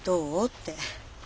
って。